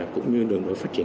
cũng như đường đối phát triển